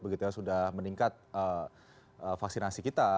begitu ya sudah meningkat vaksinasi kita